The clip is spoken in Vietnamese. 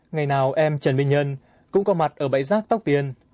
ngày nào em trần minh nhân cũng có mặt ở bãi giác tóc tiên